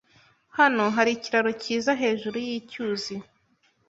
Hano hari ikiraro cyiza hejuru yicyuzi.